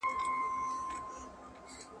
بې پرېتوب د ژورناليزم اصل دی.